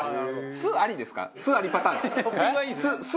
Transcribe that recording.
酢ありですか？